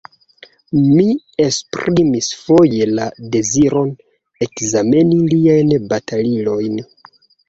Mi esprimis foje la deziron ekzameni liajn batalilojn.